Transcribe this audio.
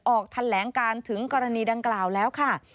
ออกแถลงการถึงกรณีดังกล่าวแล้วค่ะ